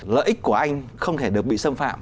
lợi ích của anh không thể được bị xâm phạm